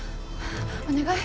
お願い。